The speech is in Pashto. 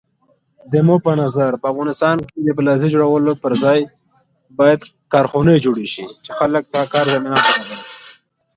یا به یې د مقتول بې وسه وارثینو ته ورسپاره.